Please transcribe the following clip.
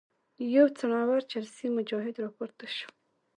یو څڼور چرسي مجاهد راپورته شو.